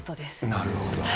なるほど。